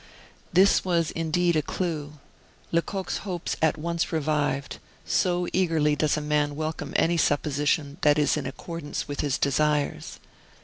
This was indeed a clue. Lecoq's hopes at once revived; so eagerly does a man welcome any supposition that is in accordance with his desires.